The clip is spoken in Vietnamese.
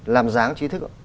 làm dáng trí thức ạ